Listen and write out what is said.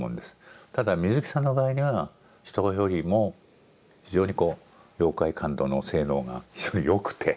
ただ水木さんの場合には人よりも非常にこう妖怪感度の性能が非常に良くて。